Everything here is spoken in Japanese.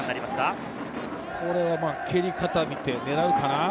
これは蹴り方を見て狙うかな。